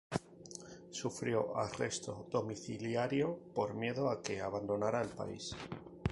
Sufrió arresto domiciliario por miedo a que abandonara el país.